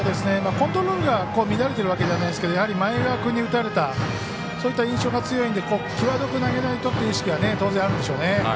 コントロールが乱れてるわけじゃないですけど前川君に打たれた、そういった印象が強いんで際どく投げないとって意識は当然あるでしょうね。